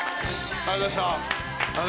ありがとうございます。